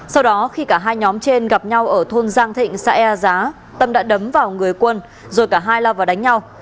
sau đó khi cả hai nhóm trên gặp nhau ở thôn giang thịnh xã e giá tâm đã đấm vào người quân rồi cả hai lao vào đánh nhau